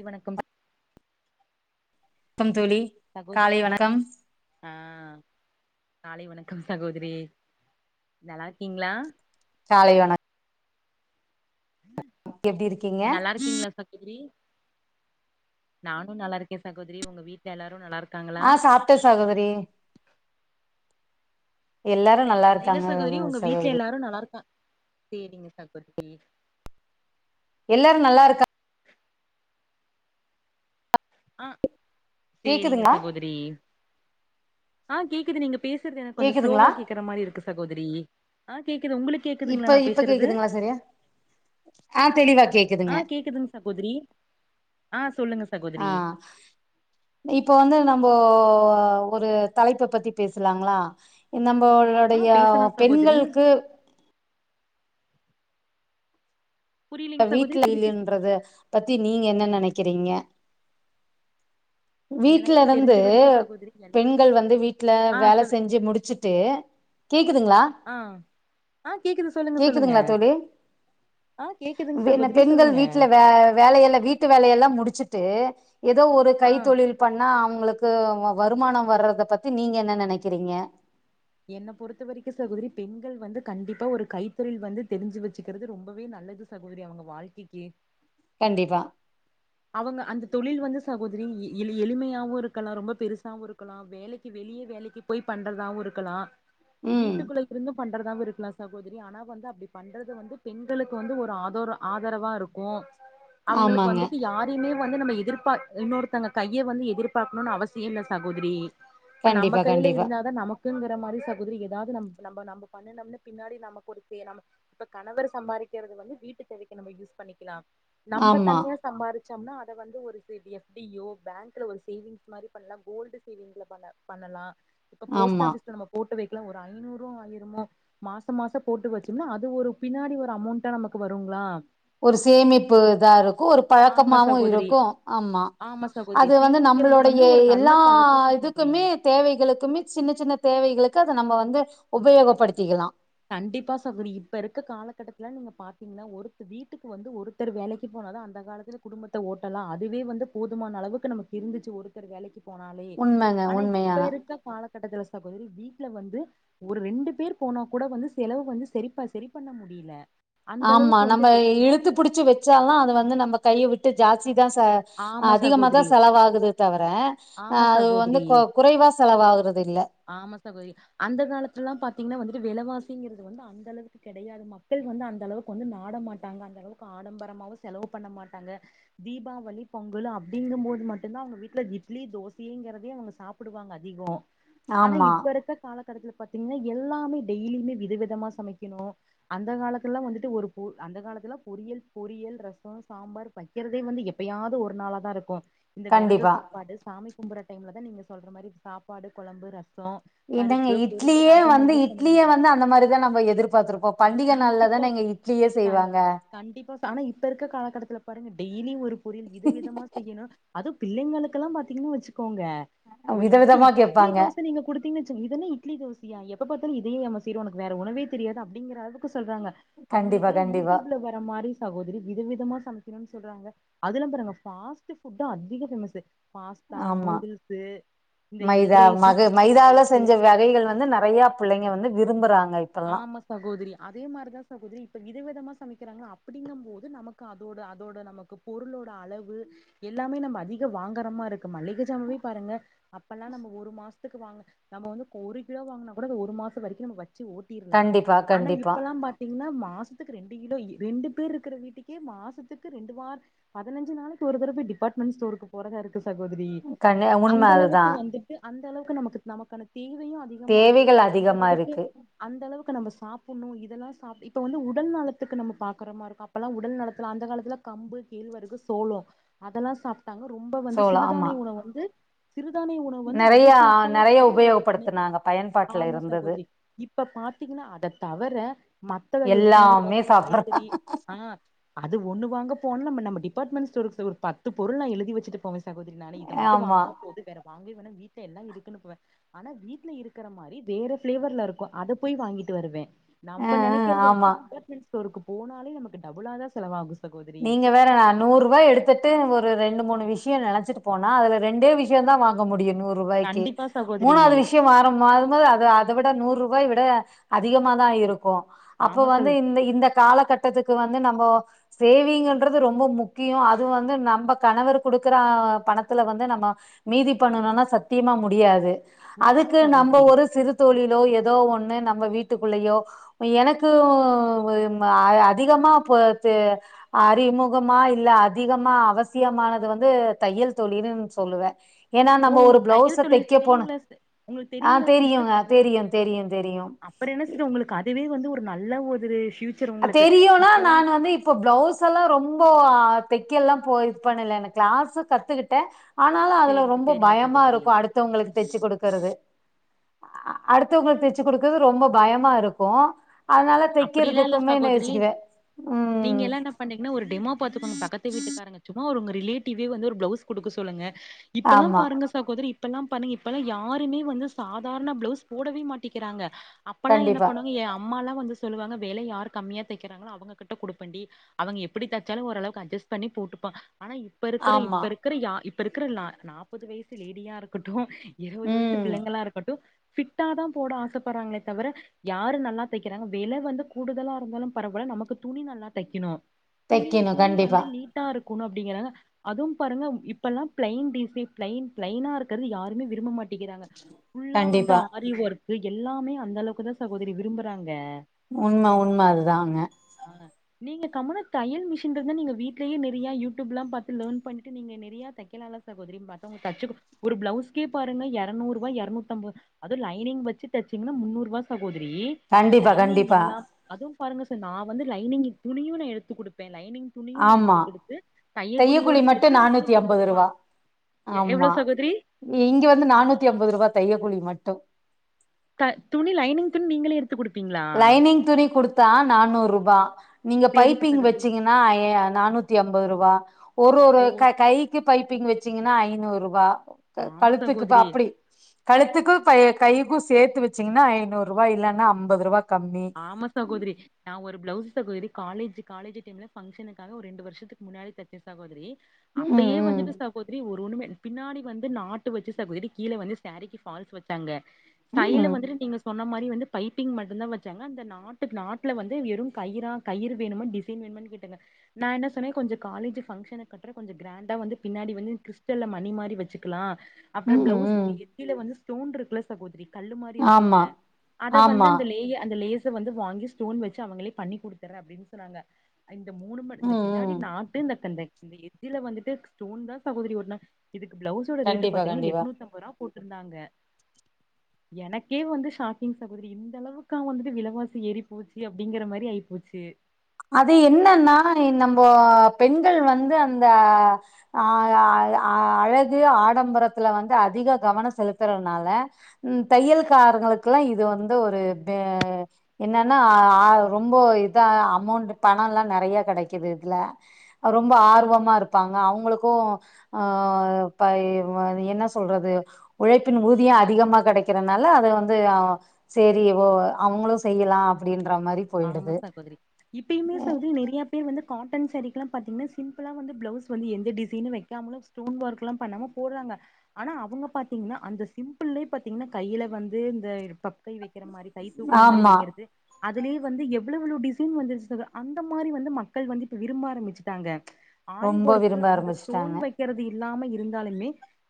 இ வணக்கம் ஸ் கம் தோழி சகோதரி காலை வணக்கம் ஆ காலை வணக்கம் சகோதரி நல்லா இருக்கீங்களா காலை வணக் எப்டி இருக்கீங்க நல்லா இருக்கீங்களா சகோதரி நானு நல்லா இருக்கே சகோதரி உங்க வீட்ல எல்லாரு நல்லா ருக் ஆ சாப்டே சகோதரி எல்லாரு நல்லா அ இல்ல இருக்காங்க சகோதரி உங்க வீட்ல சகோதரி எல்லாரு நல்லா ருக்கா சேரிங்க சகோதரி எல்லாரு நல்லா இருக்கா ஆ சேரிங்க கேக்குதுங்களா சகோதரி ஆ கேக்குது நீங்க பேசுறது எனக்கு கொஞ்சோ ஸ்லோவா கேக்குதுங்களா கேக்குற மாரி இருக்கு சகோதரி ஆ கேக்குது உங்களுக்கு கேக்குதுங்களா நா பேசுறது அ தெளிவா கேக் ஆ கேக்குதுங் சகோதரி ஆ சொல்லுங்க சகோதரி ஆ இப்ப வந்து நம்போ ஒரு தலைப்ப பத்தி பேசலாங்களா ஆ நம்மளுடைய பேசலா சகோதரி பெண்களுக்கு புரியலங்க சகோதரி வீட்ல டிவி திருப்பி சொ- ன்றது பத்தி நீங்க என்ன நெனைக்கிறீங்க வீட்ல எனக்கு இருந்து தெரிஞ்ச வரைக்கு சகோதரி எல்லா பெண்கள் வந்து வீட்ல ஆ வேல சொல் செஞ்சு முடிச்சுட்டு கேக்குதுங்களா ஆ ஆ கேக்குது சொல்லுங்க சொல்லுங்க ஆ கேக்குதுங்க வேன சகோதரி பெண்கள் சொல்லுங்க வீட்ல வே வேலயல்ல வீட் வீட்டு வேலையெல்லா முடிச்சுட்டு ஏதோ ஒரு கை ஆ தொழில் பண்ணா அவுங்களுக்கு வ வருமானோ வர்றத பத்தி நீங்க என்ன நெனைக்கிறீங்க என்ன பொறுத்த வரைக்கு சகோதரி பெண்கள் வந்து கண்டிப்பா ஒரு கைத்தொழில் வந்து தெரிஞ்சு வச்சுக்கிறது ரொம்பவே நல்லது சகோதரி அவுங்க வாழ்க்கைக்கே கண்டிப்பா அவுங்க அந்த தொழில் வந்து சகோதரி எ எளி எளிமையாவு இருக்கலா ரொம்ப பெருசாவு இருக்கலா வேலைக்கு வெளிய வேலைக்கு போய் பண்றதாவு இருக்கலா ம் வீட்டுக்குள்ள இருந்து பண் றதாவு இருக்கலா சகோதரி ஆனா வந்து அப்டி பண்றது வந்து பெண்களுக்கு வந்து ஒரு ஆதோரா ஆதரவா இருக்கு அவுங்களுக்கு ஆமாங்க வந்துட் யாரிமே வந்து நம்ம எதிர்பார்க் இன்னொருத்தவுங்க கைய வந்து எதிர்பார்க்ணுன் அவசிய இல்ல சகோதிரி இப்ப நம்ம கண்டிப்பா கையில கண்டிப்பா இருந்தாதா நம க்குங்கிற மாரி சகோதரி ஏதாவது நம் நம்ம நம்ம பண்ணனம்னு பின்னாடி நமக்கு ஒரு பேர் நம்ம இப்ப கணவர் சம்பாரிக்கிறது வந்து வீட்டு தேவைக்கு நம்ம யூஸ் பண்ணிக்கலா நம்ம ஆமா தன்யா சம்பாரிச்சம்னா அத வந்து ஒரு எஃப்டி ஓ பேங்க்ல ஒரு சேவிங்ஸ் மாரி பண்லா கோல்டு சேவிங்ஸ்ல பண்ண பண்ணலா இப்ப போஸ்ட் ஆமா ஆஃபிஸ்ல நம்ம போட்டு வைக்லா ஒரு ஐந்நூறோ ஆயிரமோ மாச மாச போட்டு வச்சோம்னா அது ஒரு பின்னாடி ஒரு அமௌண்டா நமக்கு வருங்ளா ஒரு சேமிப்பு இதா இருக்கு ஒரு ஆமா பழக்கமாவு சகோதரி இருக்கு ஆமா சகோதரி அது வந்து சேமிக்கிறது நம்ளோடைய வந்து ஒரு நல்ல எல்லா பழக்க சகோதரி இதுக்குமே தேவைகளுக்குமே சின்ன சின்ன தேவைகளுக்கு அத நம்ம வந்து உபயோகப்படுத்திக்கலா கண்டிப்பா சவரி இப்ப இருக்க காலகட்டத்துல நீங்க பாத்தீங்கன்னா ஒருத்த வீட்டுக்கு வந்து ஒரு த்தர் வேலைக்கு போன தா அந்த காலத்துல குடும்பத்த ஓட்டலா அதுவே வந்து போதுமான அளவுக்கு நமக்கு இருந்திச்சி ஒருத்தர் வேலைக்கி போனாலே உண்மங்க ஆனா இப்ப உண்மையான இருக் க காலகட்டத்தல சகோதரி வீட்ல வந்து ஒரு ரெண்டு பேர் போனா கூட வந்து செலவு வந்து சரிப்ப சரி பண்ண முடில ஆமா நம்ம இழுத்து புடிச்சு வெச்சாலு அத வந்து நம்ம கைய விட்டு ஜாஸ்தி தா ச ஆமா அதிகமாதா சகோதரி. செலவாகுது தவர அ ஆமா அது வந்து சகோதரி. குறைவா செலவாகறது இல்ல ஆமா சகோதிரி அந்த காலத்துல்லா பாத்தீங்ன்னா வந்துட்டு விலவாசிங்கிறது வந்து அந்த அளவுக்கு கெடையாது மக்கள் வந்து அந்த அளவுக் கு வந்து நாட மாட்டாங்க அந்த அளவுக்கு ஆடம்பரமாவு செலவு பண்ண மாட்டாங்க தீபாவளி பொங்கலு அப்டிங்கும் போது மட்டுதா அவுங்க வீட்ல இட்லி தோசங்கிறதே அவுங்க சாப்புடுவாங்க அதிகோ ஆனா ஆமா இப்ப இருக்க காலகட்டத்துல பாத்தீங்னா எல்லாமே டெய்லியுமே வித விதமா சமைக்கணு அந்த காலத்துல்லா வந்துட்டு ஒரு பொ அந்த காலத்துல பொரியல் பொரியல் ரசோ சாம்பார் வக்கிறதே வந்து எப்பயா து ஒரு நாள தா இருக்கு இந்த விரத கண்டிப்பா சாப்பாடு சாமி கும்புற டைம்ல தா நீங்க சொல்ற மாரி சாப்பாடு கொழம்பு ரசோ என்னங்க பருப்பு பொரியல் இட்லியே அந்த வந்து மாரிலா இட்லியே பண்ணுவாங்க வந்து அந்த மாரிதா நம்ம எதிர்பாத்திருப்போ பண்டிக நாள்ல கண்டிப்பா தாங்க இட் இட்லியே கண் செய்வாங்க கண்டிப்பா ஆனா இப்ப இருக்க காலகட்டத்துல பாருங்க டெய்லியு ஒரு பொரியல் வித விதமா செய்யணு அதுவு பிள்ளைங்களுக்ககெல்லா பாத்தீங்னா வச்சுக்கோங்க ஒரு இட்லி விதவிதமா இட்லி கேப்பாங்க தோச நீங்க குடுத் தீங்க வச்சிகோங் இது என்ன இட்லி தோசியா எப்ப பாத்தலு இதையே யாம செய்ற உனக்கு வேற உணவே தெரியாத அப்டிங்கிற அளக்கு சொல்றாங்க கண்டிப்பா அவுங்ளுக்கு கண்டிப்பா யூடியூப்ல வர மாரி சகோதிரி விதவிதமா சமைக்கணுன் சொல்றாங்க அதுல நாங்க ஃபாஸ் ஃபுட்டு அதிக ஃபேமஸ்ஸு பாஸ்தா ஆமா நூடுல்ஸ்சு இந்த மைதா எக்ரைஸ்சு மக மைதால சிக்கன்ரைஸ்சு செஞ்ச வகைகள் வந்து நறைய புள்ளைங்க வந்து விரும்புறாங்க இப் ஆமா சகோதிரி அதே மாரிதா சகோதரி இப்ப இத விதமா சமைக்கிறாங்க அப்படிங்கும் போது நமக்கு அதோட அதோட நமக்கு பொருளோட அளவு எல்லாமே நம்ம அதிக வாங்குர்றமாருக்கு மல்லிக சாமாவே பாருங்க அப்பெல்லா நம்ம ஒரு மாஸ்த்துக்கு வாங்க நம்ம வந்து ஒரு கிலோ வாங்குனா கூட ஒரு மாசவரைக்கு நம வச்சு ஓ ட்டிர்லா கண்டிப்பா ஆனா கண்டிப்பா இப்பெல்லா பா த்திங்னா மாசத்துக்கு ரெண்டு கிலோ ரெண்டு பேர் இருக்கிற வீட்டுக்கே மாசத்துக்கு ரெண்டு வார் பதினஞ்சு நாளைக்கு ஒரு தடவ டிபார்ட்மெண்ட் ஸ்டோருக்கு போறதா இருக்கு சகோதிரி கண் உண்ம அந்த அதுதா அளவுக்கு வந்து அந்த அளவுக்கு நமக்கு நமக்கான தேவையு அதிகமா இருக்கு தேவைகள் நம்ம அந்த அதிகமா அளவுக்கு இருக்கு அந்த அளவுக்கு நம சாப்புன்ணு இதெல்லா சாப் இப்ப வந்து உடல் நலத்துக்கு நம்ம பாக்குற மார் இருக் அப்பலா உடல் நடத்தலா அந்த காலத்துல கம்பு கேழ்வரகு சோலோ அதெல்லா சாப் தங்க ரொம்ப வந்து சோளோ ஆமா சிறுதானிய உணவு வந்து சிறுதானிய உணவு வந்து அத நெறையா சாப்ட்டாலே நெறைய போது ஓ நிக் உபயோகப்படுத்துனாங்க பயன்பாட்டுல ஆமா இருந்தது சகோதரி இப்ப பாத்தீங்கன்னா அத தவர மத்த வகை கீர எல்லாமே சாப்பட்ற காய்கறி ஆ அது ஒண்ணு வாங்க போனா நம நம்ம டிபார்ட்மெண்ட்ஸ்டோரு ஸ்டோரு ஒரு பத்து பொருள்லா எழுதி வச்சுட்டு போவே சகோதரி நானு இத மட்டு ஆமா வாங்குனா போது வேற வாங்கு இவன வீட்ல எல்லா இருக்குன்னுவெ ஆனா வீட்ல இருக்கிற மாரி வேற பிளேவர்ல இருக் கு அத போய் வாங்கிட்டு வருவே ஆ நம்ம ஆ நெனக்கிறது வந்து ஆமா டிபார்ட்மெண்ஸ் ஸ்டோருக்கு போனாலே நமக்கு டபுளா தா செலவாகு சகோதரி நீங்க வேற நான் நூறு ரூவா எடுத்துட்டு ஒரு ரெண்டு மூணு விஷ்யோ நெனச்சிட்டு போனா அது ரெண்டே விஷ்யதா வாங்க முடியு நூறு ரூபாய்க்கி கண்டிப்பா சகோதரி மூணாவது விஷ்யோ வாரம் ம்மாள்ளிநது அது அத விட நூறு ரூபாய் விட அதிகமா தா இருக்கு அப்போ ஆமா வந்து சகோதரி இந்த இந்த காலகட்டத்துக்கு வந்து நம்போ சேவிங்ன்றது ரொம்ப முக்கியோ அது வந்து நம்ப கணவர் குடுக்குற பணத்துல வந்து நம்ம மீதி பண்ணணும்னா சத்தியமா முடியாது முடியாது அதுக்கு நம்ப சகோதரி ஒரு சிறு தொழிலோ எதோ ஒண்ணு நம்ம வீட்டுக்குள்ளயோ எனக்கும் ஒரு அதிகமா போ தெ அறிமுகமா இல்ல அதிகமா அவசியமானது வந்து தையல் தொழிலுன்னு சொல்லுவேன் ஏன்னா ஓ நம்ம ஒரு உங்களுக்கு தையல் பிளவுஸ தொழில் தக்க போணு தெரியுங்களா சி- உங்களுக்கு ஆ தெரியுங்களா தெரியுங்க தெரியு தெரியு தெரியு அப்டி என்ன சித்தி உங்களுக்கு அதுவே வந்து ஒரு நல்ல ஒரு ஃபியூச் அத் தெரியும்னா நான் வந்து இப் இப்ப ப்ளவுஸ் எல்லா ரொம்போ தெக்க எல்லா போ இது பண்ல என்ன கிளாஸு கத்துக்கிட்டே ஆனாலு அதுல சேரிங்க ரொம்ப சேரிங்க சகோதரி பயமாருக்கு அடுத்தவங்களுக்கு தெச்சு குடுக்கறது அடுத்தவங்களுக்கு தெச்சு குடுக்கறது ரொம்ப பயமாருக்கு அத்னால அப்படிலாம் இல்ல தெக்கிறதுக்குமே இந்த சகோதரி யோசிக்குவே நீங்க உம் எல்லா என்ன பண்ணீங்கன்னா ஒரு டெமோ பாத்துக்கணு பக்கத்து வீட்டுக்காரங்க சும்மா ஒங்க ரிலேட்டிவே வந்து ஒரு ப்ளவுஸ் குடுக்க சொல்லுங்க இப்பெல்லா ஆமா பாருங்க சகோதரி இப்பெல்லாம் பண்ணிங்க இப்பல்லா யாருமே வந்து சாதார்ண ப்ளவுஸ் போடவே மாட்டீக்கிறாங்க அப்பெல்லா என்ன கண்டிப்பா பண்ணுவாங்க ஏ அம்மாலா வந்து சொல்லுவாங்க வெல யாரு கம்மியா தெக்கிறாங்களோ அவுங்ககிட்ட குடுப்பேண்டி அவுங்க எப்டி தச்சாலு ஓரளவு அட்ஜஸ் பண்ணி போட்டுப்பா ஆனா இப் பருக்குற ஆமா இப்ப இருக்குற யாரு இப்ப இருக்கிற நாப்பது வயசு லேடியாருகட்டு இருவது வயசு ம் பிள்ளைங்களாகனகட்டு ஃபிட்டா தா போட ஆசைப்படுறாங்களே தவிர யாரு நல்லா தெக்கிறாங்க வெல வந்து கூடுதலாருந்தாலு பரவால்ல நமக்கு துணி நல்லா தெக்கணு துணி தைக்கணு துணிய வந்து கண்டிப்பா நீட் டாருக்கணு அப்புடிங்கறாங்க அதுவும் பாருங்க இப்பெல்லா பிளைன் டிசி பிளைன் பிளைனா இருக்றத யாருமே விரும்ப மாட் டிங்கிறாங்க ஃபுல்லா வந்து கண்டிப்பா ஆரி ஒர்க்கு எல்லாமே அந்த அளவுக்கு தா சகோதரி விரும்புறாங்க உண்ம உண்ம அதுதாங்க ஆன நீங்க கம்னு தையல் மிஷின் இருந்தா நீ வீட்லயே நிறியா யுடியூப் பாத்து நிறையா லெர்ன் பண்ணிட்டு நீங்க நெறைய தக்கலால சகோதரி மத்தவங்க தச்சு ஒரு ப்ளவுஸ் கேப் பாருங்க எரநூறு ரூபா எரநூத்தி அம்பது அது லைனிங் வச்சச்சிங்னா முன்னூறு ரூவா சகோதரி கண்டிப்பா னிங் கண்டிப்பா. இல்லாம் அதும் பாருங்க சார் நா வந்து லைனிங் துணியு. எடுத்து குடுப்பே லைனிங் துணியுனு நா ஆமா. எடுத்துக்குடுத்து தைய கூலியோட தையக்கூலி சேத்து மட்டும் ரூ. முன்னூத்தம்பது ருபா எவ்ளோ ஆமா. சகோதரி இங்க வந்து நானூத்தி ஐம்பது ரூவா தைய குழி மட்டும் த துணி லைனிங் துணி நீங்களே எடுத்து குடுப்பீங்களா லைனிங் துணி குடுத்தா நானூறு ருபா நீங்க சேரிங்க பைப்பிங் சகோதரி வச்சீங்கன்னா நானூத்தி ஐம்பது ரூபா ஒரு ஒருக் கை பைப்பிங் வச்சிங்கன்னா ஐநூறு ரூபா ஆமா கழுத்துக்கு ப சகோதரி அப்டி கழுத்துக்கும் கைக்கும் சேத்து வச்சீங்கன்னா ஐநூறு ரூபா இல்லன்னா அம்பது ரூபா ஆமா சகோதரி நான் ஒரு ப்ளவுஸ் சகோதரி காலேஜ் காலேஜ் டைம்ல பங்க்ஷனுக்காக ஒரு ரெண்டு வருஷத்துக்கு முன்னாடி தச்சே சகோதரி ம், அப்பயே ம். வந்துட்டு சகோதரி ஒரு ஒண்ணுமே பின்னாடி வந்து நாட்டு வச்சு சகோதரி கீழே வந்து சாரிகி வந்து ஃபால்ஸ் வச்சாங்க கைல ம், வந்துட்டு நீங்க சொன்ன மாரி வந்து பைப்பிங் மட்டும்தான் வச் சங்க அந்த நாட்டு நாட்டுல வந்து வெறும் கயிறா கயிறர் வேணு டிசைன் வேணுமானு கேட்டங்க நான் என்ன சொன்னேன் கொஞ்சம் காலேஜ் பங்க்ஷனுக்கு கட்டுற கொஞ்ச கிராண்டா வந்து பின்னாடி வந்து கிறிஸ்டல்ல மணி மாரி வச்சு க்கலா அப்பறம் ம், பிளவுஸ் ம். எத்தில வந்து ஸ்டோன் இருக்குல சகோதரி கல்லு மாரி இருக்குல்ல ஆமா, அதை வந்து ஆமா. அந்த லேயர் அந்த லேஸ வந்து வாங்கி ஸ்டோன் வச்சு அவங்களே பண்ணி குடுத்தறேன் அப்டின்னு சொன்னாங்க இந்த மூணு மருந் இந்த ம், பின்னாடி ம். நாட்டு இந்த கந்த இந்த எஞ்சில வந்துட்டு ஸ்டோன் தான் சகோதரி ஒட்ன இதுக்கு பிளவுஸ் ஓட ரேட்டு கண்டிப்பா பாத்திங்னா கண்டிப்பா எட்நூத்திஐம்பதுரூபா போட்டுருந்தாங்க எனக்கே வந்து ஷாக்கிங் சகோதரி இந்த அளவுக் க்கா வந்துட்டு விலைவாசி ஏறி போச்சு அப்டிங்கிற மாரி ஆய் பேச்சி அது என்னன்னா நம்மோ பெண்கள் வந்து அந்த அ வ வ வ அழகு ஆடம்பரத்துல வந்து அதிக கவனம் செலுத்துறதுனால ம் தையல்காரங்களுக்குஎல்லாம் இது வந்து ஒரு தெ என்னன்னா ஆ ரொம்ப இத அமௌண்ட் பணம்ல்லாம் நிறைய கிடைக்குது இதுல ரொம்ப ஆர்வமா இருப்பாங்க அவுங்களுக்கும் அ பை வ என்ன சொல்றது உழைப்பின் ஊதியம் அதிகமா கிடைக்கிறதுனால அது வந்து ஆ சேரி ஓ அவுங்களும் செய்யலாம் அப்டின்ற மாரி போயிடுது ஆமா சகோதிரி இப்பயுமே சகோதரி நறைய பேர் வந்து காட்டன் சாரிக்ல்லாம் பார்த்தீங்கன்னா சிம்பிளா வந்து ப்ளவுஸ் வந்து எந்த டிசைனும் வைக்காமலு ஸ்டோன் ஒர்க்லாம் பண்ணாம போடுறாங்க ஆனா அவங்க பாத்தீங்கன்னா அந்த சிம்பிள்யே பாத்தீங்கன்னா கையில வந்து இந்த ப கை வைக்கிற மாரி கை தூக்கற மாரி ஆமா வைக்கிறது அதுலே வந்து எவ்ளோவு டிசைன் வந்தச்சு தெர்ல அந்த மாரி வந்து மக்கள் வந்து இப்ப விரும்ப ஆரம்பிச்சுட்டாங்க ஆரி ரொம்ப ஒர்க் விரும்ப இந்த ஸ்டோன் ஆரம்பிச்சுட்டாங்க வைக்கிறது இல்லாம இருந்தாலுமே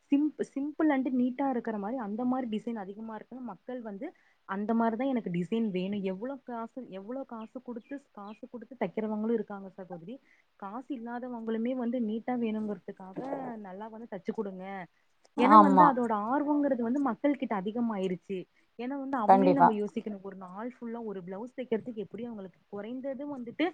சிம் சிம்பிள் அண்டு நீட்டா இருக்கிற மாரி அந்த மாரி டிசைன் அதிகமாக இருக்குன்னு மக்கள் வந்து அந்த மாரிதான் எனக்கு டிசைன் வேணும் எவ்ளோ காசு எவ்ளோ காசு குடுத்து காசு குடுத்து தைக்கிறவங்களும் இருக்காங்க சகோதரி காசு இல்லாதவங்களுமே வந்து நீட்டா வேணுங்கு றதுக்காக நல்லா வந்து தச்சு குடுங்க ஏன்னா வந்து ஆமா அதோட ஆர்வங்கிறது வந்து மக் மக்கள் கிட்ட அதிகமாயிருச்சு ஏனா வந்து அவங்களே கண்டிப்பா நம்ம யோசிக்கனு ஒரு நாள்புல்லா ஒரு பிளவுஸ் தைக்கிறதுக்கு எப்டியு அவங்களுக்கு குறைந்ததும் வந்துட்டு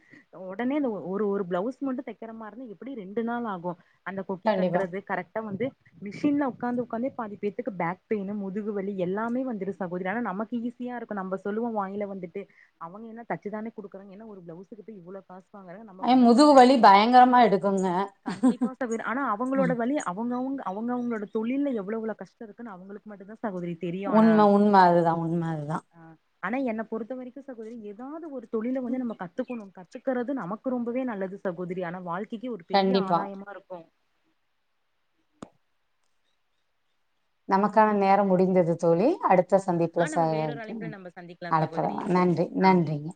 உடனே இந்த ஒரு ஒரு பிளவுஸ் மட்டும் தைக்கிற மாரி இருந்த எப்டியு ரெண்டு நாள் ஆகும் அந்த கொக்கி கண்டிப்பா கட்றது கரெக்டா வந்து மிஷின்ல உட்காந்து உட்காட்ந்து பாதி பேத்துக்கு பேக் பெயின் முதுகு வலி எல்லாமே வந்து சகோதரி ஆனா நமக்கு ஈசி வெட்டியா இருக்கோ நம்ம சொல்லுவோ வாயில வந்துட்டு அவ்ங்க என்ன தச்சு தானே கொடுக்கனு என்ன ஒரு பிளவுஸ்கு போய் இவ்ளோ காசு ப நாங்க நம்ம ஏ மனசுல முதுகு வலி நெனப்போ பயங்கரமா எடுக்குங்க கண்டிப்பா தவற ஆனா அவங்களோட வலி அவங்க அவங்க அவங்க அவங்களோட தொழில்ல எவ்வளலவு கஷ்ட்டோ இருக்குன்னு அவங்களுக்கு மட்டுதா தெரியு சகோரி உண்ம உண்ம அதுதா உண்ம அதுதா ஆ ஆனா என்ன பொறுத்த வரைக்கு சகோதரி ஏதாவது ஒரு தொழில வந்து நம்ம கத்துக்குணும் கத்துக்கிறது நமக்கு ரொம்பவே நல்லது சகோதிரி ஆனா வாழ்க்கைக்கு ஒரு பெரிய கண்டிப்பா ஆதாயமா இருக்கு நமக்கான நேரம் முடிந்தது தோழி அடுத் அடுத்த சந்திப்புல ஆ நம்ம ச வேறொரு அழைப்புல நம்ம சந்திக்கலாம் அழைக்கற சகோதரி நன்றி ஆ நன்றிங்க